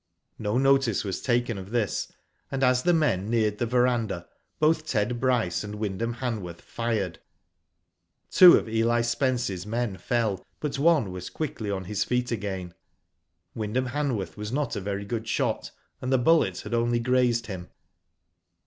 No notice was taken of this, and as the men neared the verandah, both Ted Bryce and Wynd ham Hanworth fired. " Two of Eli Spence's men fell, but one was quickly on his feet again. Wyndham Hanworth was not a very good shot, and the bullet had only grazed him.